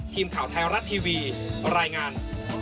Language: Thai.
ทีมข่าวไทยรัฐทีวีรายงาน